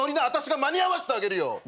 私が間に合わしてあげるよ。